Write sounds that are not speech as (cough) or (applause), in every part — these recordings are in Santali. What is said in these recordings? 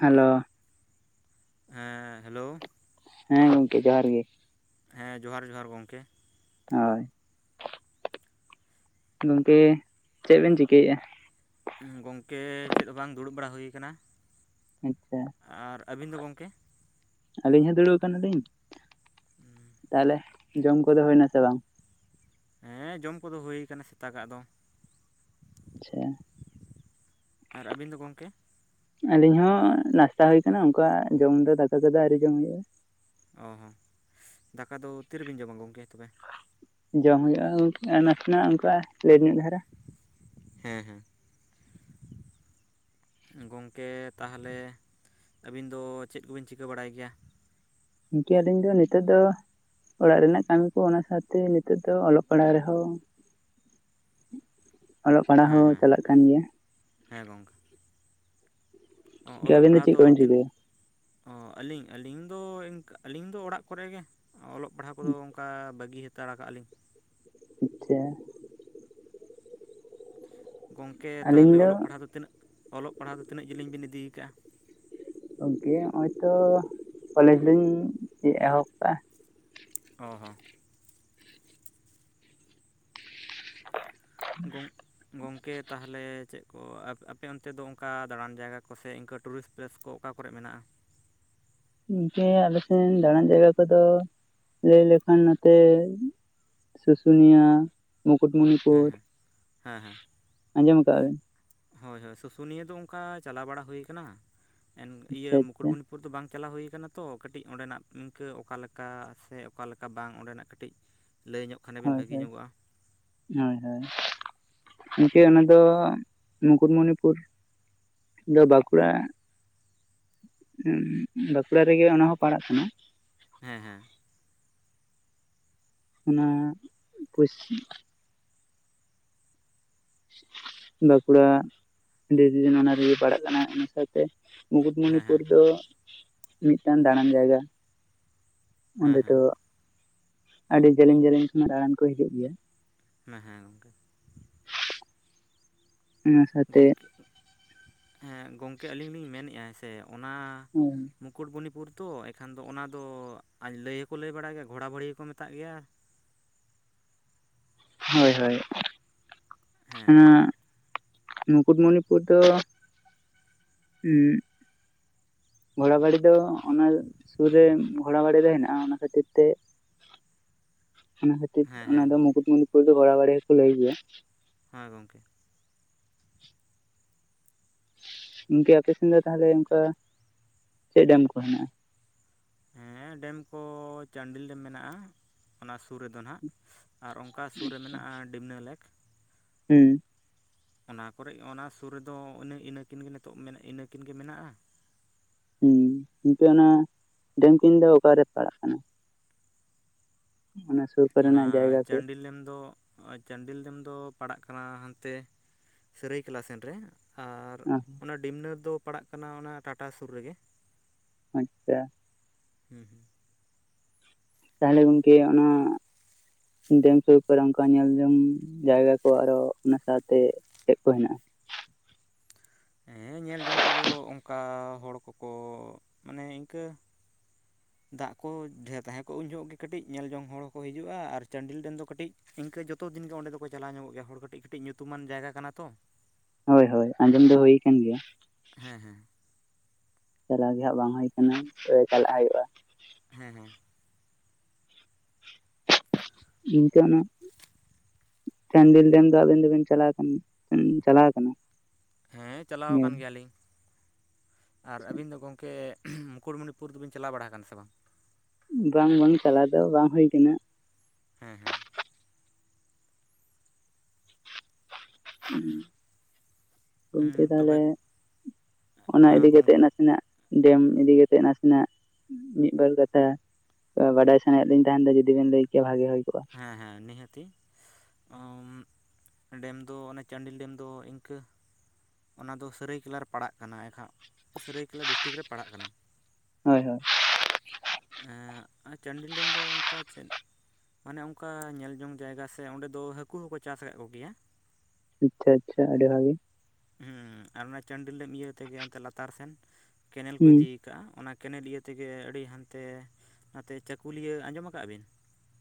ᱦᱮᱞᱳ ᱦᱮᱸ ᱦᱮᱞᱳ ᱦᱮᱸ ᱜᱚᱝᱠᱮ ᱡᱚᱦᱟᱨ ᱜᱮ᱾ ᱦᱮᱸ ᱡᱚᱦᱟᱨ ᱡᱚᱦᱟᱨ ᱜᱚᱝᱠᱮ᱾ ᱦᱳᱭ ᱜᱚᱝᱠᱮ ᱪᱮᱫ ᱵᱮᱱ ᱪᱤᱠᱟᱹᱭᱮᱫᱼᱟ? ᱜᱚᱝᱠᱮ ᱪᱮᱫ ᱦᱚᱸ ᱵᱟᱝ ᱫᱩᱲᱩᱵ ᱵᱟᱲᱟ ᱦᱩᱭᱩ ᱠᱟᱱᱟ᱾ ᱟᱪᱪᱷᱟ ᱫᱚ ᱜᱚᱢᱠᱮ ᱟᱹᱞᱤᱧ ᱦᱚᱸ ᱫᱲᱩ ᱠᱟᱱᱟ ᱞᱤᱧ᱾ ᱛᱟᱦᱞᱮ ᱡᱚᱢ ᱠᱚᱫᱚ ᱦᱩᱭᱱᱟᱥᱮ ᱵᱟᱝ? ᱦᱮᱸ ᱡᱚᱢ ᱠᱚᱫᱚ ᱦᱩᱭᱟᱠᱟᱱᱟ ᱥᱮᱛᱟᱜᱟᱜ ᱫᱚ᱾ ᱟᱪᱪᱷᱟ ᱟᱨ ᱟᱹᱵᱤᱱ ᱫᱚ ᱜᱚᱝᱠᱮ? ᱟᱞᱤᱧ ᱦᱚᱸ ᱱᱟᱥᱛᱟ ᱦᱩᱭᱩ ᱠᱟᱱᱟ ᱩᱱᱠᱟ ᱡᱚᱢ ᱫᱚ ᱫᱟᱠᱟ ᱠᱚᱫᱚ ᱟᱨᱣᱨᱤ ᱡᱚᱢ ᱦᱩᱭᱩᱜᱼᱟ᱾ ᱚ ᱦᱚᱸ ᱫᱟᱠᱟ ᱫᱚ ᱛᱤᱨᱮᱵᱮᱱ ᱡᱚᱢᱟ ᱜᱚᱢᱠᱮ ᱛᱚᱵᱮ? ᱡᱚᱢ ᱦᱩᱭᱩᱜᱼᱟ ᱩᱱᱠᱟ ᱵᱟᱥᱮᱱᱟᱜ ᱚᱱᱠᱟ ᱞᱮᱴ ᱧᱚᱜ ᱫᱷᱟᱨᱟ᱾ ᱦᱮᱸ ᱦᱮᱸ ᱜᱚᱝᱠᱮ ᱛᱟᱦᱚᱞᱮ ᱟᱹᱵᱤᱱ ᱫᱚ ᱪᱮᱫ ᱠᱚᱵᱤᱱ ᱪᱤᱠᱟᱹ ᱵᱟᱲᱟᱭ ᱜᱮᱭᱟ? ᱤᱱᱠᱮ ᱟᱹᱞᱤᱧ ᱫᱚ ᱱᱤᱛᱚᱜᱜ ᱫᱚ ᱚᱲᱟᱜ ᱨᱮᱱᱟᱜ ᱠᱟᱹᱢᱤ ᱠᱚ ᱚᱱᱟ ᱥᱟᱶᱛᱮ ᱱᱤᱛᱚᱜ ᱫᱚ ᱚᱞᱚᱜ ᱯᱟᱲᱦᱟᱜ ᱨᱮᱦᱚᱸ ᱚᱞᱚᱜ ᱯᱟᱲᱦᱟᱜ ᱦᱮᱸ ᱦᱚᱸ ᱦᱮᱸ ᱪᱟᱞᱟᱜ ᱠᱟᱱ ᱜᱮᱭᱟ᱾ ᱦᱮᱸ ᱜᱚᱝᱠᱮ ᱜᱚᱝᱠᱮ ᱚᱞᱚᱜ ᱟᱵᱤᱱ ᱯᱟᱲᱦᱟᱣ ᱪᱮᱫ ᱫᱚ ᱠᱚᱵᱤᱱ ᱛᱤᱱᱟᱹᱜᱼᱼ ᱪᱤᱠᱟᱹᱭᱟ? ᱚ ᱟᱹᱞᱤᱧ ᱟᱹᱞᱤᱧ ᱫᱚ ᱤᱱ ᱟᱹᱞᱤᱧ ᱫᱚ ᱚᱲᱟᱜ ᱠᱚᱨᱮᱜᱮ ᱚᱞᱚᱜ ᱯᱟᱲᱦᱟᱜ ᱠᱚᱫᱚ ᱚᱱᱠᱟ ᱵᱟᱹᱜᱤ ᱦᱟ ᱼᱼ ᱛᱟᱲ ᱠᱟᱜᱞᱤᱧ᱾ (unintelligible) ᱜᱚᱝᱠᱮ ᱛᱟᱦᱚᱞᱮ ᱚᱞᱚᱜ ᱯᱟᱲᱦᱟᱣ ᱫᱚ ᱛᱤᱱᱟᱹᱜ ᱚᱞᱚᱜ ᱯᱟᱲᱦᱟᱣ ᱫᱚ ᱛᱤᱱᱟᱹᱜ ᱡᱤᱞᱤᱧ ᱵᱤᱱ ᱤᱫᱠᱟᱜᱼᱟ? ᱠᱚᱝᱠᱮ ᱱᱚᱜᱼᱚᱭ ᱛᱚ ᱠᱚᱞᱮᱡᱽ ᱞᱤᱧ ᱮᱦᱚᱵ ᱠᱟᱜᱼᱟ᱾ ᱚ ᱦᱚ ᱜᱚᱝ ᱜᱚᱝᱠᱮ ᱛᱟᱦᱞᱮ ᱪᱮᱫ ᱠᱚ ᱟᱯ-ᱟᱯᱮ ᱚᱱᱛᱮ ᱫᱚ ᱚᱝᱠᱟ ᱫᱟᱬᱟᱱ ᱡᱟᱭᱜᱟ ᱠᱚ ᱥᱮ ᱤᱝᱠᱟᱹ ᱴᱩᱨᱤᱥ ᱯᱨᱮᱹᱥ ᱠᱚ ᱚᱠᱟ ᱠᱚᱨᱮ ᱢᱮᱱᱟᱜᱼᱟ ᱦᱮᱸ, ᱟᱞᱮ ᱥᱮᱱ ᱫᱟᱬᱟᱱ ᱡᱟᱭᱜᱟ ᱠᱚᱫᱚ ᱞᱟᱹᱭ ᱞᱮᱠᱷᱟᱱ ᱱᱚᱛᱮ ᱥᱩᱥᱩᱱᱤᱭᱟ, ᱦᱮᱸ ᱢᱩᱠᱩᱴᱢᱩᱱᱤᱯᱩᱨ ᱦᱮᱸ ᱦᱮᱸ ᱦᱮᱸ ᱟᱸᱡᱚᱢ ᱟᱠᱟᱜ ᱵᱮᱱ ᱦᱳᱭ ᱦᱳᱭ ᱥᱩᱥᱩᱱᱤᱭᱟᱹ ᱫᱚ ᱚᱝᱠᱟ ᱪᱟᱞᱟᱣ ᱵᱟᱲᱟ ᱦᱩᱭᱟ ᱠᱟᱱᱟ ᱮᱱ ᱤᱭᱟᱹ ᱟᱪᱪᱷᱟ ᱟᱪᱪᱷᱟ ᱢᱩᱠᱩᱴᱢᱩᱱᱤ ᱯᱩᱨ ᱫᱚ ᱵᱟᱝ ᱪᱟᱞᱟᱣ ᱦᱩᱭ ᱟᱠᱟᱱᱟ ᱛᱚ ᱠᱟᱹᱴᱤᱡ ᱚᱸᱰᱮᱱᱟᱜ ᱤᱝᱠᱟᱹ ᱚᱠᱟᱞᱮᱠᱟ ᱥᱮ ᱚᱠᱟᱞᱮᱠᱟ ᱵᱟᱝ ᱚᱸᱰᱮᱱᱟᱜ ᱠᱟᱹᱴᱤᱡ ᱞᱟᱹᱭ ᱧᱚᱜ ᱠᱷᱟᱱᱵᱤᱱ ᱦᱳᱭ ᱵᱷᱟᱹᱜᱤ ᱛᱚ ᱧᱚᱜᱚᱜᱼᱟ ᱦᱳᱭ ᱦᱳᱭ, ᱜᱚᱝᱠᱮ ᱚᱱᱟ ᱫᱚ ᱢᱩᱠᱩᱴᱢᱩᱱᱤᱯᱩᱨ ᱤᱧ ᱫᱚ ᱵᱟᱸᱠᱩᱲᱟ ᱢᱩᱸ, ᱵᱟᱸᱠᱩᱲᱟ ᱨᱮᱜᱮ ᱚᱱᱟ ᱦᱚᱸ ᱯᱟᱲᱟᱜ ᱠᱟᱱᱟ ᱦᱮᱸ ᱦᱮᱸ ᱚᱱᱟ ᱯᱚᱥ ᱵᱟᱸᱠᱩᱲᱟ ᱰᱤᱵᱷᱤᱡᱚᱱ ᱚᱱᱟ ᱨᱮᱜᱮ ᱯᱟᱲᱟᱜ ᱠᱟᱱᱟ ᱚᱱᱟ ᱥᱟᱶᱛᱮ ᱦᱮᱸ ᱢᱩᱠᱩᱴᱢᱚᱱᱤᱯᱩᱨ ᱦᱮᱸ ᱫᱚ ᱢᱤᱫᱴᱟᱱ ᱫᱟᱬᱟᱱ ᱡᱟᱭᱜᱟ ᱦᱮᱸ ᱚᱸᱰᱮ ᱦᱮᱸ ᱫᱚ ᱟᱹᱰᱤ ᱡᱮᱞᱮᱧ ᱡᱮᱞᱮᱧ ᱠᱷᱚᱱᱟᱜ ᱫᱟᱬᱟᱱ ᱠᱚ ᱦᱤᱡᱩᱜ ᱜᱮᱭᱟ ᱢᱟᱱᱮ ᱦᱮᱸ ᱜᱚᱝᱠᱮ ᱚᱱᱟ ᱥᱟᱶᱛᱮ ᱜᱚᱢᱠᱮ ᱦᱮᱸ ᱜᱚᱝᱠᱮ ᱟᱹᱞᱤᱧ ᱞᱤᱧ ᱢᱮᱱᱮᱜᱼᱟ ᱥᱮ ᱚᱱᱟ ᱦᱳᱭ ᱢᱩᱠᱩᱴᱢᱩᱱᱤᱯᱩᱨ ᱛᱚ ᱮᱱᱠᱷᱟᱱ ᱫᱚ ᱚᱱᱟᱫᱚ ᱞᱟᱹᱭ ᱦᱚᱸᱠᱚ ᱞᱟᱹᱭ ᱵᱟᱲᱟᱭ ᱜᱮᱭᱟ, ᱜᱷᱚᱲᱟᱵᱟᱹᱲᱤ ᱦᱚᱸᱠᱚ ᱢᱮᱛᱟᱜ ᱜᱮᱭᱟ ᱦᱳᱭ ᱦᱳᱭ ᱦᱮᱸ ᱦᱮᱸ ᱥᱮᱬᱟ ᱢᱩᱠᱩᱴᱢᱚᱱᱤᱯᱩᱨ ᱫᱚ ᱩᱸᱜ ᱜᱷᱚᱲᱟ ᱵᱟᱟᱲᱤ ᱫᱚ ᱚᱱᱟ ᱥᱩᱨ ᱨᱮ ᱜᱷᱚᱲᱟ ᱵᱟᱟᱲᱤ ᱨᱮ ᱦᱮᱱᱟᱜᱼᱟ ᱚᱱᱟ ᱠᱷᱟᱹᱛᱤᱨ ᱛᱮ ᱚᱱᱟ ᱠᱷᱟᱹᱛᱤᱨ ᱦᱮᱸ ᱚᱱᱟ ᱦᱮᱸ ᱫᱚ ᱢᱩᱠᱩᱴᱢᱩᱱᱤᱯᱩᱨ ᱫᱚ ᱜᱷᱚᱲᱟᱵᱲᱤ ᱜᱮᱠᱚ ᱞᱟᱹᱭ ᱜᱮᱭᱟ ᱦᱮᱸ ᱜᱚᱢᱠᱮ (inaudible) ᱜᱚᱝᱠᱮ ᱟᱯᱮ ᱥᱮᱱ ᱫᱚ ᱛᱟᱦᱞᱮ ᱚᱝᱠᱟ ᱪᱮᱫ ᱰᱮᱢ ᱠᱚ ᱦᱮᱱᱟᱜᱼᱟ ᱦᱮᱸ ᱰᱮᱢ ᱠᱚ ᱪᱟᱱᱰᱤᱞ ᱰᱮᱢ ᱢᱮᱱᱟᱜᱼᱟ ᱚᱱᱟ ᱥᱩᱨ ᱨᱮᱫᱚ ᱱᱟᱜ ᱟᱨ ᱚᱱᱠᱟ ᱥᱩᱨ ᱨᱮ ᱢᱮᱱᱟᱜᱼᱟ ᱰᱤᱢᱱᱟ ᱞᱮᱠ ᱦᱩᱸ ᱚᱱᱟ ᱠᱚᱨᱮ ᱚᱱᱟ ᱥᱩᱨ ᱨᱮᱫᱚ ᱤᱱᱟᱹ ᱤᱱᱟᱹᱠᱤᱱᱜᱮ ᱱᱤᱛᱚᱜ ᱤᱱᱟᱹ ᱠᱤᱱᱜᱮ ᱢᱮᱱᱟᱜᱼᱟ ᱦᱩᱸ, ᱜᱚᱝᱠᱮ ᱚᱱᱟ ᱰᱮᱢ ᱠᱤᱱ ᱫᱚ ᱚᱠᱟᱨᱮ ᱯᱟᱲᱟᱜ ᱠᱟᱱᱟ ᱚᱱᱟ ᱥᱩᱨ ᱚᱱᱟ ᱠᱚᱨᱮᱱᱟᱜ ᱡᱟᱭᱜᱟ ᱠᱚ ᱪᱟᱱᱰᱤᱞ ᱰᱮᱢ ᱫᱚ ᱱᱚᱜ-ᱚᱭ ᱪᱟᱱᱰᱤᱞ ᱰᱮᱢ ᱫᱚ ᱯᱟᱲᱟᱜ ᱠᱟᱱᱟ ᱦᱟᱱᱛᱮ ᱥᱟᱹᱨᱟᱹᱭᱠᱮᱞᱟ ᱥᱮᱱ ᱨᱮ ᱟᱨ ᱚᱱᱟ ᱰᱤᱢᱱᱟ ᱫᱚ ᱯᱟᱲᱟᱜ ᱠᱟᱱᱟ ᱚᱱᱟ ᱴᱟᱴᱟ ᱥᱩᱨ ᱨᱮᱜᱮ ᱟᱪᱪᱷᱟ ᱦᱩᱸ ᱦᱩᱸ ᱛᱟᱦᱞᱮ ᱜᱚᱝᱠᱮ ᱚᱱᱟ ᱰᱮᱢ ᱥᱩᱨ ᱠᱚᱨᱮ ᱚᱱᱠᱟ ᱧᱮᱞᱡᱚᱝ ᱡᱟᱭᱜᱟ ᱠᱚ ᱟᱨᱚ ᱚᱱᱟ ᱥᱟᱶᱛᱮ ᱪᱮᱫ ᱠᱚ ᱦᱮᱱᱟᱜᱼᱟ ᱦᱮᱸ ᱧᱮᱞ ᱡᱚᱝ ᱠᱚᱫᱚ ᱚᱝᱠᱟ ᱦᱚᱲ ᱠᱚᱠᱚ ᱢᱟᱱᱮ ᱤᱱᱠᱟᱹ ᱫᱟᱜ ᱠᱚ ᱰᱷᱮᱨ ᱛᱟᱦᱮᱸ ᱠᱚᱜ ᱩᱱ ᱡᱚᱦᱚᱜ ᱜᱮ ᱠᱟᱹᱴᱤᱡ ᱧᱮᱞ ᱡᱚᱝ ᱦᱚᱲ ᱦᱚᱸᱠᱚ ᱦᱤᱡᱩᱜᱼᱟ ᱟᱨ ᱪᱟᱱᱰᱤᱞ ᱰᱮᱢ ᱫᱚ ᱠᱟᱹᱴᱤᱡ ᱤᱱᱠᱟᱹ ᱡᱚᱛᱚ ᱫᱤᱱ ᱜᱮ ᱚᱸᱰᱮ ᱫᱚᱠᱚ ᱪᱟᱞᱟᱣ ᱧᱚᱜ ᱜᱮᱭᱟ ᱦᱚᱲ ᱠᱟᱹᱴᱤᱡ, ᱠᱟᱹᱴᱤᱡ ᱧᱩᱛᱩᱢᱟᱱ ᱡᱟᱭᱜᱟ ᱠᱟᱱᱟ ᱛᱚ ᱦᱳᱭ ᱦᱳᱭ ᱟᱸᱡᱚᱢ ᱫᱚ ᱦᱩ ᱟᱠᱟᱱ ᱜᱮᱭᱟ ᱦᱮᱸ ᱦᱮᱸ ᱪᱟᱞᱟᱣ ᱜᱮ ᱦᱟᱸᱜ ᱵᱟᱝ ᱦᱩᱭ ᱠᱟᱱᱟ ᱛᱚ ᱪᱟᱞᱟᱜ ᱦᱳᱭᱳᱜᱼᱟ᱾ ᱦᱮᱸᱻ ᱦᱮᱸᱻ᱾ ᱤᱱ ᱠᱟ ᱱᱟᱜ ᱪᱟᱱᱰᱤᱞ ᱰᱮᱢ ᱫᱚ ᱟᱵᱤᱱ ᱫᱚᱵᱤᱱ ᱪᱟᱞᱟᱣ ᱠᱟᱱᱟ, ᱪᱟᱞᱟᱣ ᱠᱟᱱᱟ,? ᱦᱮᱸ ᱪᱟᱞᱟᱣ ᱧᱮᱞ ᱠᱟᱱ ᱜᱮᱭᱟᱞᱤᱧ, ᱟᱨ ᱟᱹᱵᱤᱱ ᱫᱚ ᱜᱚᱢᱠᱮ ᱢᱩᱠᱩᱴᱢᱩᱱᱤᱯᱩᱨ ᱫᱚᱵᱤᱱ ᱪᱟᱞᱟᱣ ᱵᱟᱲᱟ ᱠᱟᱱᱟ ᱥᱮ ᱵᱟᱝ? ᱵᱟᱝ-ᱵᱟᱝ ᱪᱟᱞᱟᱣ ᱫᱚ ᱵᱟᱝ ᱦᱳᱭ ᱠᱟᱱᱟ᱾ ᱦᱮᱸᱻ ᱦᱮᱸᱻ᱾ ᱦᱮᱸ᱾ ᱦᱩᱸ ᱜᱚᱢᱠᱮ ᱛᱟᱦᱚᱞᱮ ᱛᱚᱵᱮ ᱚᱱᱟ ᱤᱫᱤ ᱜᱚᱝ ᱠᱟᱛᱮ ᱱᱟᱥᱮᱱᱟᱜ ᱰᱮᱢ ᱤᱫᱤ ᱠᱟᱛᱮᱜ ᱱᱟᱥᱮᱱᱟᱜ ᱢᱤᱫᱵᱟᱨ ᱠᱟᱛᱷᱟ ᱵᱟᱰᱟᱭ ᱥᱟᱱᱟᱭᱮᱫ ᱞᱤᱧ ᱛᱟᱦᱮᱸᱱ ᱫᱚ ᱡᱩᱫᱤ ᱵᱮᱱ ᱞᱟᱹᱭ ᱠᱮᱭᱟ ᱵᱷᱟᱜᱮ ᱦᱳᱭ ᱠᱚᱜᱼᱟ? ᱦᱮᱸᱻᱦᱮᱸᱻ ᱱᱤᱦᱟᱹᱛᱤ, ᱰᱮᱢ ᱫᱚ ᱚᱱᱮ ᱪᱟᱱᱰᱤᱞ ᱰᱮᱢ ᱫᱚ ᱤᱱᱠᱟᱹ ᱚᱱᱟ ᱫᱚ ᱥᱟᱹᱨᱟᱹᱭ ᱠᱮᱞᱟ ᱨᱮ ᱯᱟᱲᱟᱜ ᱠᱟᱱᱟ᱾ ᱮᱱᱠᱷᱟᱱ ᱥᱟᱹᱨᱟᱹᱭ ᱠᱮᱞᱟ ᱰᱤᱥᱴᱤᱠ ᱨᱮ ᱯᱟᱲᱟᱜ ᱠᱟᱱᱟ᱾ ᱦᱳᱭᱻ ᱦᱳᱭᱻ᱾ ᱮᱜ, ᱪᱟᱱᱰᱤᱞ ᱰᱮᱢ ᱫᱚ ᱚᱱᱠᱟ ᱪᱮᱱ ᱢᱟᱱᱮ ᱚᱱᱠᱟ ᱧᱮᱞ ᱡᱚᱝ ᱡᱟᱭᱜᱟ ᱥᱮ ᱚᱸᱰᱮ ᱫᱚ ᱦᱟᱹᱠᱩ ᱦᱚᱠᱚ ᱪᱟᱥ ᱠᱟᱫ ᱠᱚᱜᱮᱭᱟ᱾ ᱟᱪᱪᱷᱟᱻ ᱟᱪᱪᱷᱟᱻ ᱟᱹᱰᱤ ᱵᱷᱟᱜᱮ᱿ ᱦᱮᱸ ᱟᱨ ᱚᱱᱟ ᱪᱟᱱᱰᱤᱞ ᱰᱮᱢ ᱤᱭᱟᱹ ᱛᱮᱜᱮ ᱚᱱᱛᱮ ᱞᱟᱛᱟᱨ ᱥᱮᱱ ᱠᱮᱱᱮᱞ ᱠᱚ ᱦᱩᱸ ᱤᱫᱤ ᱠᱟᱜᱼᱟ, ᱚᱱᱟ ᱠᱮᱱᱮᱞ ᱤᱭᱟᱹ ᱛᱮᱜᱮ ᱟᱹᱰᱤ ᱦᱟᱱᱛᱮ, ᱱᱟᱛᱮ ᱪᱟᱹᱠᱩᱞᱤᱭᱟᱹ ᱟᱸᱡᱚᱢ ᱠᱟᱜ-ᱟ ᱵᱤᱱ?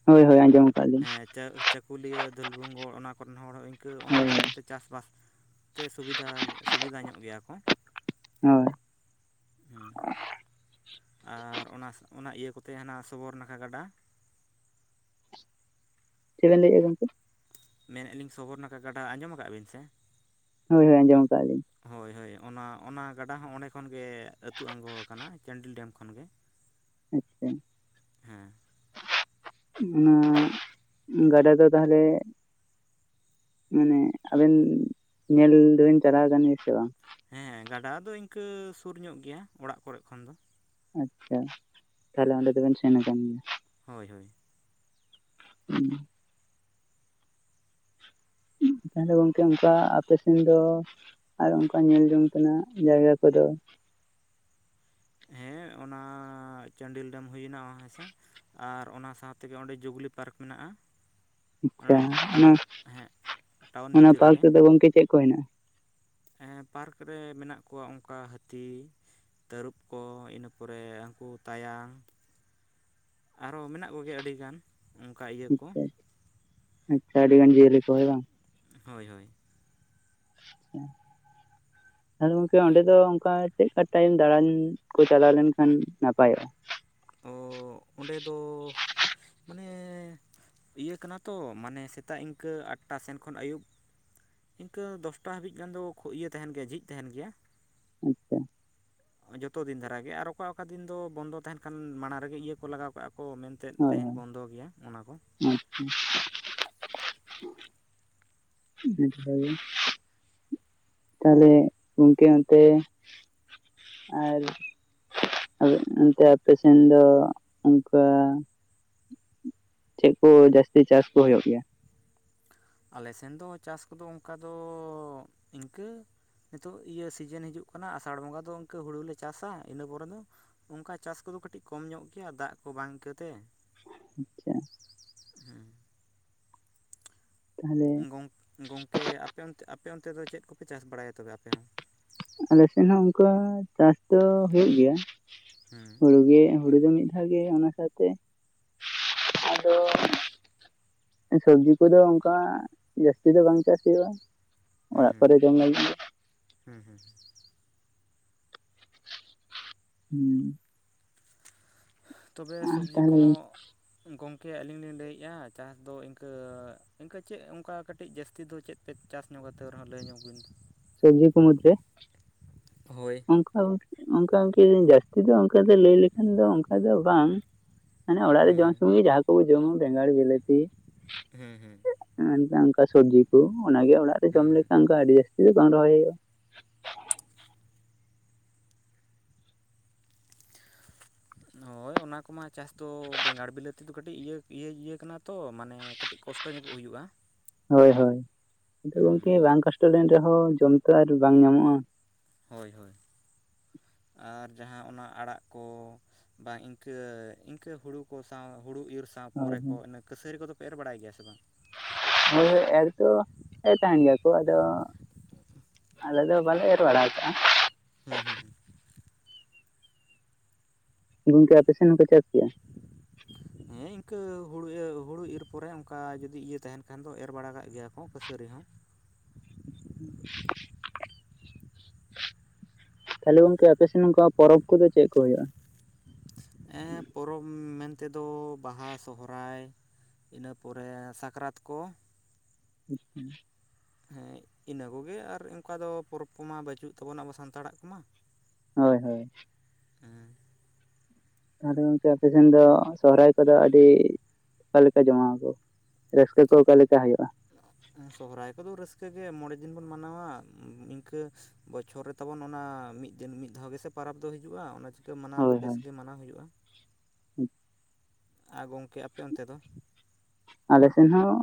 ᱦᱳᱭᱻ ᱦᱳᱭᱻ ᱟᱸᱡᱚᱢ᱾ ᱟᱠᱟᱫ ᱞᱤᱧ ᱦᱮᱸ ᱪᱟᱹ, ᱪᱟᱹᱠᱩᱞᱤᱭᱟᱹ, ᱫᱷᱩᱞᱵᱷᱩᱢᱜᱚᱲ ᱚᱱᱟ ᱠᱚᱨᱮᱱ ᱦᱚᱲ ᱦᱚᱸ ᱤᱱᱠᱟᱹ ᱚᱱᱟ ᱦᱳᱭ ᱫᱟᱜ ᱠᱚᱛᱮ ᱪᱟᱥᱵᱟᱥ ᱛᱮ ᱥᱩᱵᱤᱫᱷᱟ-ᱥᱩᱵᱤᱫᱷᱟ ᱧᱚᱜ ᱜᱮᱭᱟ ᱠᱚ᱾ ᱦᱳᱭ᱾ ᱦᱩᱸ᱾ ᱟᱨ ᱚᱱᱟ ᱚᱱᱟ ᱤᱭᱟᱹ ᱠᱚᱛᱮ ᱦᱟᱱᱟ ᱥᱚᱵᱚᱨ ᱱᱟᱠᱷᱟ ᱜᱟᱰᱟ ᱪᱮᱫ ᱵᱮᱱ ᱞᱟᱹᱭᱮᱜᱼᱟ ᱜᱚᱝᱠᱮ? ᱢᱮᱱᱮᱫ ᱟᱹᱞᱤᱧ ᱥᱚᱵᱚᱨ ᱱᱟᱠᱷᱟ ᱜᱟᱰᱟ ᱟᱸᱡᱚᱢ ᱠᱟᱜ-ᱟ ᱵᱤᱱ ᱥᱮ? ᱦᱳᱭ-ᱦᱳᱭ ᱟᱸᱡᱚᱢ ᱠᱟᱜᱼᱟ ᱞᱤᱧ᱾ ᱦᱳᱭ-ᱦᱳᱭ, ᱚᱱᱟ-ᱚᱱᱟ ᱜᱟᱰᱟ ᱦᱚᱸ ᱚᱸᱰᱮ ᱠᱷᱚᱱᱜᱮ, ᱟᱹᱛᱩ ᱟᱲᱜᱚ ᱠᱟᱱᱟ, ᱪᱟᱱᱰᱤᱞ ᱰᱮᱢ ᱠᱷᱚᱱᱜᱮ᱾ (inaudible) ᱟᱪᱪᱷᱟ᱾ ᱚᱱᱟ ᱜᱟᱰᱟ ᱫᱚ ᱛᱟᱦᱚᱞᱮ ᱢᱟᱱᱮ ᱟᱵᱮᱱ ᱧᱮᱞ ᱫᱚᱵᱮᱱ ᱪᱟᱞᱟᱣ ᱠᱟᱱ ᱜᱮᱭᱟ ᱥᱮ ᱵᱟᱝ? ᱦᱮᱸ ᱜᱟᱰᱟ ᱫᱚ ᱤᱱᱠᱟᱹ ᱥᱩᱨ ᱧᱚᱜ ᱜᱮᱭᱟ ᱚᱲᱟᱜ ᱠᱚᱨᱮᱜ ᱠᱷᱚᱱ ᱫᱚ᱾ ᱟᱪᱪᱷᱟ, ᱛᱟᱦᱚᱞᱮ ᱚᱸᱰᱮ ᱫᱚᱵᱮᱱ ᱥᱮᱱ ᱠᱟᱱ ᱜᱮᱭᱟ᱾ ᱦᱳᱭᱻ ᱦᱳᱭᱻ᱾ ᱦᱩᱸ᱾ ᱛᱟᱦᱚᱞᱮ ᱜᱚᱝᱠᱮ ᱚᱱᱠᱟ ᱟᱯᱮ ᱥᱮᱱ ᱫᱚ ᱟᱨ ᱚᱱᱠᱟ ᱧᱮᱞ ᱡᱚᱝ ᱛᱮᱱᱟᱜ ᱡᱟᱭᱜᱟ ᱠᱚᱫᱚ? ᱦᱮᱸ ᱚᱱᱟ ᱪᱟᱱᱰᱤᱞ ᱰᱮᱢ ᱦᱩᱭᱮᱱᱟ ᱦᱮᱸᱥᱮ ᱟᱨ ᱚᱱᱟ ᱥᱟᱶ ᱛᱮᱜᱮ ᱚᱸᱰᱮ ᱡᱩᱵᱽᱞᱤ ᱯᱟᱨᱠ ᱢᱮᱱᱟᱜᱼᱟ᱾ ᱟᱪᱪᱷᱟ ᱚᱱᱟ ᱚᱱᱟ ᱴᱟᱣᱩᱱ ᱦᱮᱸ ᱴᱟᱣᱩᱱ ᱚᱱᱟ ᱵᱷᱤᱛᱤᱨ ᱯᱟᱨᱠ ᱨᱮᱜᱮ᱾ ᱨᱮᱫᱚ ᱜᱚᱝᱠᱮ ᱪᱮᱫ ᱠᱚ ᱦᱮᱱᱟᱜᱼᱟ? ᱦᱮ ᱯᱟᱨᱠ ᱨᱮ ᱢᱮᱱᱟᱜ ᱠᱚᱣᱟ, ᱚᱱᱠᱟ ᱦᱟᱹᱛᱤ ᱛᱟᱹᱨᱩᱵ᱾ ᱠᱚ ᱤᱱᱟᱹ ᱯᱚᱨᱮ ᱩᱱᱠᱩ ᱛᱟᱭᱟᱱ ᱟᱨᱚ ᱢᱮᱱᱟᱜ ᱠᱚᱜᱮᱭᱟ ᱟᱹᱰᱤᱜᱟᱱ᱾ ᱚᱱᱠᱟ ᱤᱭᱟᱹ ᱠᱚ ᱟᱪᱪᱷᱟ-ᱟᱪᱪᱷᱟ ᱟᱹᱰᱤ ᱜᱟᱱ ᱡᱤᱭᱟᱹᱞᱤ ᱠᱚ ᱦᱳᱭ ᱵᱟᱝ? ᱦᱳᱭᱻ ᱦᱳᱭᱻ᱾ ᱟᱪᱷᱟ (unintelligible) ᱛᱟᱦᱚᱞᱮ ᱜᱚᱢᱠᱮ ᱚᱸᱰᱮ ᱫᱚ ᱚᱱᱠᱟ, ᱪᱮᱫᱠᱟ ᱴᱟᱭᱤᱢ ᱫᱟᱬᱟᱱ ᱠᱚ, ᱪᱟᱞᱟᱣ ᱞᱮᱱᱠᱷᱟᱱ ᱱᱟᱯᱟᱭᱚᱜᱼᱟ? ᱛᱚ ᱚᱸᱰᱮ ᱫᱚ ᱢᱟᱱᱮ ᱤᱭᱟᱹ ᱠᱟᱱᱟ ᱛᱚ, ᱢᱟᱱᱮ ᱥᱮᱛᱟᱜ ᱤᱱᱠᱟᱹ ᱟᱴᱴᱟ ᱥᱮᱱ ᱠᱷᱚᱱ ᱟᱹᱭᱩᱵ ᱤᱱᱠᱟᱹ ᱫᱚᱥᱴᱟ ᱦᱟᱹᱵᱤᱡ ᱜᱟᱱ ᱫᱚ ᱤᱭᱟᱹ ᱛᱟᱦᱮᱱ ᱜᱮᱭᱟ ᱡᱷᱤᱡ ᱛᱟᱦᱮᱱ ᱜᱮᱭᱟ᱾ ᱟᱪᱪᱷᱟ ᱡᱚᱛᱚ ᱫᱤᱱ ᱫᱷᱟᱨᱟᱜᱮ ᱟᱨ ᱚᱠᱟ ᱚᱠᱟ ᱫᱤᱱ ᱫᱚ ᱵᱚᱱᱫᱚ ᱛᱟᱦᱮᱱ ᱠᱷᱟᱱ ᱢᱟᱲᱟᱝ ᱨᱮᱜᱮ ᱤᱭᱟᱹ ᱠᱚ ᱞᱟᱜᱟᱣ ᱠᱟᱜᱼᱟ ᱠᱚ ᱢᱮᱱ ᱛᱮᱫ ᱛᱮᱦᱮᱧ ᱵᱚᱱᱫᱚ ᱜᱮᱭᱟ ᱚᱱᱟ ᱠᱚ᱾ ᱟᱪᱪᱷᱟ (unintelligible) ᱛᱟᱦᱚᱞᱮ ᱜᱚᱢᱠᱮ ᱚᱱᱛᱮᱮ ᱟᱨ ᱟᱫᱚ ᱚᱱᱛᱮ ᱟᱯᱮ ᱥᱮᱱ ᱫᱚ ᱚᱱᱠᱟ ᱪᱮᱫ ᱠᱚ ᱡᱟᱹᱟᱥᱛᱤ ᱪᱟᱥ ᱠᱩ ᱦᱩᱭᱩᱜ ᱜᱮᱭᱟ? ᱟᱞᱮ ᱥᱮᱱ ᱫᱚ ᱪᱟᱥ ᱠᱚᱫᱚ ᱚᱱᱠᱟ ᱫᱚ ᱤᱱᱠᱟᱹ, ᱱᱤᱛᱚᱜ ᱤᱭᱟᱹ ᱥᱤᱡᱤᱱ ᱦᱤᱡᱩᱜ ᱠᱟᱱᱟ ᱟᱥᱟᱲ ᱵᱚᱸᱜᱟ ᱫᱚ ᱤᱱᱠᱟᱹ ᱦᱩᱲᱩᱞᱮ ᱪᱟᱥᱟ ᱤᱱᱟᱹ ᱯᱚᱨᱮ ᱫᱚ ᱚᱝᱠᱟ ᱪᱟᱥ ᱠᱚᱫᱚ ᱠᱟᱹᱴᱤᱡ ᱠᱚᱢ ᱧᱚᱜ ᱜᱮᱭᱟ ᱫᱟᱜ ᱠᱚ ᱵᱟᱝ ᱠᱟᱹᱛᱮ᱾ ᱟᱪᱪᱷᱟ (unintelligible) ᱦᱮᱸ ᱛᱟᱦᱚᱞᱮ ᱜᱚᱝᱠ ᱜᱚᱝᱠᱮ ᱟᱯᱮ ᱚᱱ ᱟᱯᱮ ᱚᱱᱛᱮ ᱫᱚ ᱪᱮᱫ ᱠᱚᱯᱮ ᱪᱟᱥ ᱵᱟᱲᱟᱭᱟ ᱛᱚᱵᱮ ᱟᱯᱮ ᱦᱚᱸ? ᱟᱞᱮᱥᱮᱫ ᱦᱚᱸ ᱚᱱᱠᱟ ᱪᱟᱥ ᱫᱚ ᱦᱩᱭᱩᱜᱳ ᱜᱮᱭᱟ ᱦᱩᱲᱩ ᱜᱮ ᱦᱩᱲᱩ ᱫᱚ ᱢᱤᱫ ᱫᱷᱟᱣ ᱜᱮ ᱚᱱᱟ ᱥᱟᱶᱛᱮ ᱟᱫᱚ ᱥᱚᱵᱡᱤ ᱠᱚᱫᱚ ᱚᱱᱠᱟ ᱡᱟᱹᱥᱛᱤ ᱫᱚ ᱵᱟᱝ ᱪᱟᱥ ᱦᱩᱭᱩᱜᱼᱟ᱾ ᱦᱩᱸ ᱚᱲᱟᱜ ᱦᱩᱸ ᱠᱚᱨᱮ ᱡᱚᱢ ᱞᱟᱹᱜᱤᱫ ᱜᱮ᱾ ᱦᱩᱸ ᱦᱩᱸ ᱦᱩᱸ ᱦᱮᱸ ᱛᱚᱵᱮ ᱟᱨ ᱥᱚᱵᱡᱤ ᱛᱟᱦᱚᱞᱮ ᱠᱚᱦᱚᱸ ᱜᱚᱝᱠᱮ ᱟᱹᱞᱤᱧ ᱞᱤᱧ ᱞᱟᱹᱭᱮᱫᱼᱟ ᱪᱟᱥ ᱫᱚ ᱤᱱᱠᱟᱹ ᱤᱱᱠᱟᱹ ᱪᱮᱫ ᱚᱱᱠᱟ ᱠᱟᱹᱴᱤᱡ ᱡᱟᱹᱥᱛᱤ ᱫᱚ ᱪᱮᱫ ᱯᱮ ᱪᱟᱥ ᱧᱚᱜ ᱠᱟᱛᱮᱫ ᱨᱮᱦᱟᱜ ᱞᱟᱹᱭ ᱧᱚᱜ ᱵᱤᱱ᱾ ᱥᱚᱵᱡᱤ ᱠᱚ ᱢᱩᱫᱽᱨᱮ ᱦᱳᱭ ᱚᱱᱠᱤ ᱡᱟᱹᱥᱛᱤ ᱫᱚ ᱚᱱᱠᱟ ᱫᱚ ᱞᱟᱹᱭ ᱞᱮᱠᱷᱟᱱ ᱫᱚ ᱚᱱᱠᱟ ᱫᱚ ᱵᱟᱝ, ᱢᱟᱱᱮ ᱚᱲᱟᱜ ᱨᱮ ᱡᱚᱢ ᱦᱩᱸ ᱥᱩᱢᱩ ᱜᱮ ᱡᱟᱦᱟᱸ ᱠᱚᱵ ᱡᱚᱢᱟ ᱵᱮᱸᱜᱟᱲ, ᱵᱤᱞᱟᱹᱛᱤ ᱦᱩᱸ ᱦᱩᱸ ᱚᱱᱠᱟ ᱥᱚᱵᱡᱤ ᱠᱚ ᱚᱱᱟᱜᱮ ᱚᱲᱟᱜ ᱨᱮ ᱡᱚᱢ ᱦᱩᱸ ᱦᱩᱸ ᱞᱮᱠᱷᱟᱱ ᱟᱹᱰᱤ ᱡᱟᱹᱥᱛᱤ ᱫᱚ ᱵᱟᱝ ᱨᱚᱦᱚᱭ ᱦᱩᱭᱩᱜᱼᱟ᱾ (unintelligible) (unintelligible) ᱦᱳᱭ ᱚᱱᱟ ᱠᱚᱢᱟ ᱪᱟᱥ ᱫᱚ ᱵᱮᱸᱜᱟᱲ ᱵᱤᱞᱟᱹ ᱛᱮᱫᱚ ᱠᱟᱹᱴᱤᱡ ᱤᱭᱟᱹ ᱤᱭᱟᱹ ᱠᱟᱱᱟ ᱛᱚ ᱢᱟᱱᱮ ᱠᱟᱹᱴᱤᱡ ᱠᱚᱥ ᱴᱚ ᱧᱚᱜ ᱦᱩᱭᱩᱜᱼᱟ᱾ ᱦᱳᱭ ᱦᱳᱭ ᱟᱫᱚ ᱜᱚᱢᱠᱮ ᱵᱟᱝ ᱠᱚᱥᱴᱚ ᱞᱮᱱ ᱨᱮᱦᱚᱸ ᱡᱚᱢ ᱛ ᱟᱨ ᱵᱟᱝ ᱧᱟᱢᱚᱜᱼᱟ᱾ ᱦᱳᱭ ᱦᱳᱭ ᱟᱨ ᱡᱟᱦᱟᱸ ᱚᱱᱟ ᱟᱲᱟᱜ ᱠᱚ, ᱵᱟ ᱤᱱᱠᱟᱹ ᱤᱱᱠᱟᱹ ᱦᱩᱲᱩ ᱠᱚ ᱥᱟᱶ ᱦᱩᱲᱩ ᱤᱨ ᱥᱟᱶ ᱦᱳᱭ ᱯᱚᱨᱮ ᱠᱚ ᱦᱳᱭ ᱤᱱᱟᱹ ᱠᱟᱹᱥᱟᱹᱨᱤ ᱠᱚᱫᱚ ᱯᱮ ᱮᱨ ᱵᱟᱲᱟᱭ ᱜᱮᱭᱟ ᱥᱮ ᱵᱟᱝ? ᱮᱨ ᱫᱚ ᱮᱨ ᱛᱟᱦᱮᱱ ᱜᱮᱭᱟ ᱠᱚ ᱟᱫᱚ ᱟᱞᱮ ᱫᱚ ᱵᱟᱞᱮ ᱵᱟᱲᱟ ᱠᱟᱜᱼᱟ᱾ ᱦᱮᱸ ᱦᱩᱸ ᱦᱩᱸ ᱜᱚᱝᱠᱮ ᱟᱯᱮ ᱥᱮᱱ ᱦᱚᱸᱠᱚᱮ ᱪᱟᱥ ᱜᱮᱭᱟ? (unintelligible) ᱦᱮᱸ ᱤᱱᱠᱟᱹ ᱦᱩᱲᱩ ᱦᱩᱲᱩ ᱤᱨ ᱯᱚᱨᱮ ᱚᱱᱠᱟ ᱡᱩᱫᱤ ᱤᱭᱟᱹ ᱛᱟᱦᱮᱱ ᱠᱷᱟᱱ ᱫᱚ ᱮᱨ ᱵᱟᱲᱟ ᱠᱟᱜ ᱜᱮᱭᱟ ᱠᱚ ᱠᱟᱹᱥᱟᱹᱨᱤ ᱦᱚᱸ᱾ (inaudible) ᱛᱟᱦᱚᱞᱮ ᱜᱚᱝᱠᱮ ᱟᱯᱮᱥᱮᱱ ᱝᱠᱟᱣᱟᱜ ᱯᱚᱨᱚᱵᱽ ᱠᱚᱫᱚ ᱪᱮᱫ ᱠᱚ ᱦᱩᱭᱩᱜᱼᱟ? ᱦᱮ ᱯᱚᱨᱚᱵᱽ ᱢᱮᱱ ᱛᱮᱫᱚ ᱵᱟᱦᱟ ᱥᱚᱦᱚᱨᱟᱭ ᱤᱱᱟᱹ ᱯᱚᱨᱮ ᱥᱟᱠᱨᱟᱛ ᱠᱚ, (unintelligible) ᱦᱮᱸ ᱤᱱᱟᱹ ᱠᱚᱜᱮ ᱟᱨ ᱚᱱᱠᱟ ᱫᱚ ᱯᱚᱨᱚᱵᱽ ᱠᱚᱢᱟ ᱵᱟᱹᱪᱩᱜ ᱛᱟᱵᱚᱱᱱᱟ ᱟᱵᱚ ᱥᱟᱱᱛᱟᱲᱟᱜ ᱠᱚᱢᱟ᱾ ᱦᱳᱭ ᱦᱳᱭ ᱦᱮᱸ ᱛᱟᱦᱚᱞᱮ ᱜᱚᱝᱠᱮ ᱟᱯᱮᱥᱮᱱ ᱫᱚ ᱥᱚᱦᱚᱨᱟᱭ ᱠᱚᱫᱚ ᱟᱹᱰᱤ ᱚᱠᱟᱮᱠᱟ ᱡᱚᱢᱟ ᱟᱠᱚ? ᱨᱟᱹᱥᱠᱟᱹ ᱠᱚ ᱚᱠᱟ ᱞᱮᱠᱟ ᱦᱩᱭᱩᱜᱼᱟ? ᱥᱚᱦᱚᱨᱟᱭ ᱠᱚᱫᱚ ᱨᱟᱹᱥᱠᱟᱹ ᱜᱮ ᱢᱚᱬᱮ ᱫᱤᱱ ᱵᱚᱱ ᱢᱟᱱᱟᱣᱟ ᱤᱱᱠᱟᱹ ᱵᱚᱪᱷᱚᱨ ᱨᱮ ᱛᱟᱵᱚᱱ ᱚᱱᱟ ᱢᱤᱫ ᱫᱤᱱ ᱢᱤᱫ ᱫᱷᱟᱣ ᱜᱮᱥᱮ ᱯᱟᱨᱟᱵᱽ ᱫᱚ ᱦᱤᱡᱩᱜ-ᱟ ᱚᱱᱟ ᱠᱟᱹ ᱢᱟᱱᱟᱣ ᱫᱚ ᱦᱳᱭ ᱵᱮᱥ ᱦᱳᱭ ᱜᱮ ᱢᱟᱱᱟᱣ ᱦᱩᱭᱩᱜᱼᱟ ᱟᱨ ᱜᱚᱝᱠᱮ ᱟᱯᱮ ᱚᱱᱛᱮ ᱫᱚ ᱟᱞᱮ ᱥᱮᱱ ᱦᱚᱸ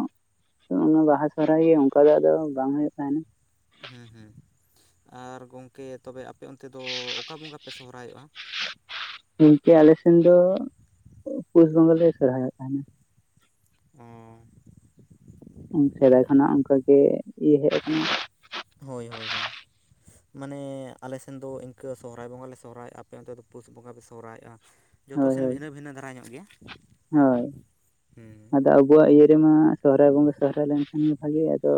ᱚᱱᱟ ᱵᱟᱦᱟ ᱥᱚᱦᱨᱟᱭ ᱜᱮ ᱚᱝᱠᱟ ᱫᱚ ᱟᱫᱚ ᱵᱟᱝ ᱦᱩᱭᱩᱜ ᱛᱟᱦᱮᱱᱟ ᱦᱮᱸ ᱦᱮᱸ ᱟᱨ ᱜᱚᱝᱠᱮ ᱛᱚᱵᱮ ᱟᱯᱮ ᱚᱱᱛᱮ ᱫᱚ ᱚᱠᱟ ᱵᱚᱸᱜᱟ ᱯᱮ ᱥᱚᱦᱨᱟᱭᱚᱜ-ᱟ᱾ ᱱᱤᱝᱠᱟᱹ ᱟᱞᱮ ᱥᱮᱱ ᱫᱚ ᱯᱩᱥ ᱵᱚᱸᱜᱟ ᱞᱮ ᱥᱚᱨᱦᱟᱭᱚᱜ ᱛᱟᱦᱮᱸᱱᱟ ᱟᱻ ᱥᱮᱫᱟᱭ ᱠᱷᱚᱱᱟᱜ ᱚᱝᱠᱟᱜᱮ ᱤᱭᱟᱹ ᱦᱮᱡ ᱟᱠᱟᱱᱟ ᱦᱳᱭ ᱦᱳᱭ ᱦᱳᱭ ᱢᱟᱱᱮ ᱟᱞᱮ ᱥᱮᱱ ᱫᱚ ᱤᱝᱠᱟᱹ ᱥᱚᱦᱨᱟᱭ ᱵᱚᱸᱜᱟ ᱞᱮ ᱥᱚᱦᱨᱟᱭ ᱟᱯᱮ ᱚᱱᱛᱮ ᱫᱚ ᱯᱩᱥ ᱵᱚᱸᱜᱟ ᱯᱮ ᱥᱚᱦᱨᱟᱭᱚᱜ-ᱟ ᱡᱚᱛᱚ ᱦᱳᱭ ᱥᱮᱱ ᱦᱳᱭ ᱵᱷᱤᱱᱟᱹ ᱵᱷᱤᱱᱟᱹ ᱫᱷᱟᱨᱟ ᱧᱚᱜ ᱜᱮᱭᱟ ᱦᱳᱭ ᱦᱮᱸ ᱟᱫᱚ ᱟᱵᱚᱣᱟᱜ ᱤᱭᱟᱹ ᱨᱮ ᱢᱟ ᱥᱚᱦᱨᱟᱭ ᱵᱚᱸᱜᱟ ᱥᱚᱦᱨᱟᱭ ᱞᱮᱱᱠᱷᱟᱱ ᱵᱷᱟᱹᱜᱤᱭᱟ ᱟᱫᱚ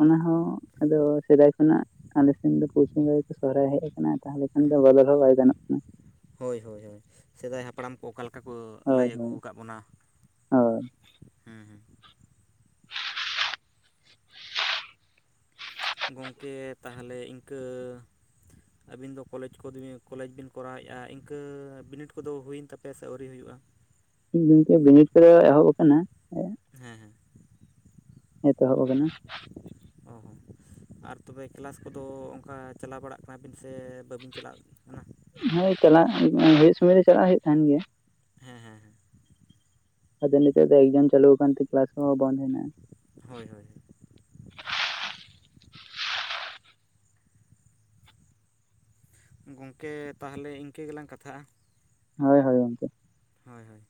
ᱚᱱᱟ ᱦᱚᱸ ᱟᱫᱚ ᱥᱮᱫᱟᱭ ᱠᱷᱚᱱᱟᱜ ᱟᱞᱮᱥᱱ ᱫᱚ ᱯᱩᱥ ᱵᱚᱸᱜᱟ ᱜᱮᱠᱚ ᱥᱚᱦᱨᱟᱭ ᱦᱮᱡ ᱠᱟᱱᱟ ᱛᱟᱦᱚᱞᱮ ᱠᱷᱟᱱ ᱫᱚ ᱵᱚᱫᱚᱞ ᱦᱚᱸ ᱵᱟᱭ ᱜᱟᱱᱚᱜ ᱠᱟᱱᱟ ᱦᱳᱭ ᱦᱳᱭ ᱦᱳᱭ ᱥᱮᱫᱟᱭ ᱦᱟᱯᱲᱟᱢ ᱠᱚ ᱚᱠᱟ ᱞᱮᱠᱟ ᱠᱚ ᱞᱟᱹᱭ ᱦᱳᱭ ᱟᱹᱜᱩ ᱦᱳᱭ ᱠᱟᱜ ᱵᱚᱱᱟ ᱦᱳᱭ ᱦᱩᱸ ᱦᱩᱸ ᱜᱚᱝᱠᱮ ᱛᱟᱦᱞᱮ ᱤᱝᱠᱟᱹ ᱟᱹᱵᱤᱱ ᱫᱚ ᱠᱚᱞᱮᱡᱽ ᱠᱚᱫᱽᱵᱤ ᱠᱚᱞᱮᱡᱽ ᱵᱤᱱ ᱠᱚᱨᱟᱣᱮ-ᱟ ᱤᱱᱠᱟᱹ ᱵᱤᱱᱤᱴ ᱠᱚᱫᱚ ᱦᱩᱭᱮᱱ ᱛᱟᱯᱮᱭᱟ ᱥᱮ ᱟᱹᱣᱨᱤ ᱦᱩᱭᱩᱜᱼᱟ᱾ (inaudible) ᱜᱚᱝᱠᱮ ᱵᱤᱱᱤᱴ ᱠᱚᱫᱚ ᱮᱦᱚᱵ ᱟᱠᱟᱱᱟ ᱦᱮᱸ ᱦᱮᱸ ᱮᱛᱚᱦᱚᱵ ᱟᱠᱟᱱᱟ ᱚ ᱦᱚᱸ ᱟᱨ ᱛᱚᱵᱮ ᱠᱞᱟᱥ ᱠᱚᱫᱚ ᱚᱝᱠᱟ ᱪᱟᱞᱟᱣ ᱵᱟᱲᱟᱜ ᱠᱟᱱᱟ ᱵᱤᱱ ᱥᱮ ᱵᱟᱹᱵᱤᱱ ᱪᱟᱞᱟᱜ ᱠᱟᱱᱟ ᱦᱮᱸ ᱪᱟᱞᱟᱜ ᱦᱩᱭᱩᱜ ᱥᱩᱢᱟᱭ ᱨᱮ ᱪᱟᱞᱟᱜ ᱦᱩᱭᱩᱜ ᱛᱟᱦᱮᱱ ᱜᱮᱭᱟ ᱦᱮᱸ ᱦᱮᱸ ᱦᱮᱸ ᱟᱫᱚ ᱱᱤᱛᱚᱜ ᱫᱚ ᱮᱠᱡᱟᱢ ᱪᱟᱹᱞᱩ ᱟᱠᱟᱱ ᱛᱮ ᱠᱞᱟᱥ ᱠᱚᱦᱚᱸ ᱵᱚᱱ ᱦᱮᱱᱟᱜ-ᱟ ᱦᱳᱭ ᱦᱳᱭ ᱦᱳᱭ ᱜᱚᱝᱠᱮ ᱛᱟᱦᱞᱮ ᱤᱝᱠᱟᱹ ᱜᱮᱞᱟᱝ ᱠᱟᱛᱷᱟᱜᱼᱟ ᱦᱳᱭ ᱦᱳᱭ ᱜᱚᱝᱠᱮ ᱦᱳᱭ ᱦᱳᱭ